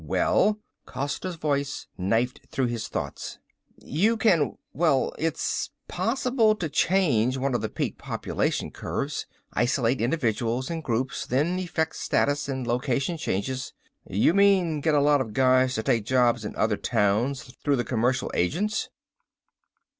"Well?" Costa's voice knifed through his thoughts. "You can ... well ... it's possible to change one of the peak population curves. Isolate individuals and groups, then effect status and location changes " "You mean get a lot of guys to take jobs in other towns through the commercial agents?"